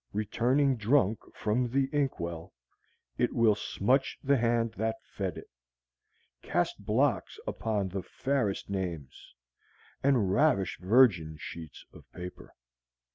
Returning drunk from the inkwell, it will smutch the hand that fed it, cast blots upon the fairest names, and ravish virgin sheets of paper.